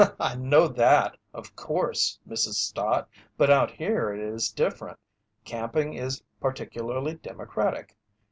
"I know that, of course, Mrs. Stott, but out here it is different. Camping is particularly democratic.